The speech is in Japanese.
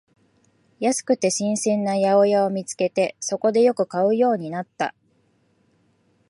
安くて新鮮な八百屋を見つけて、そこでよく買うようになった